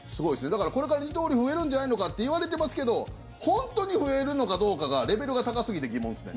だから、これから二刀流増えるんじゃないのかっていわれてますけど本当に増えるのかどうかがレベルが高すぎて疑問ですね。